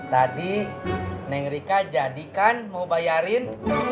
tadi neng rika jadikan mau bayarin